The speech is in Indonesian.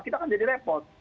kita akan jadi repot